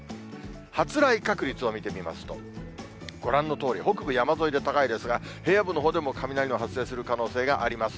発雷確率を見てみますと、ご覧のとおり、北部山沿いで高いですが、平野部のほうでも雷の発生する可能性があります。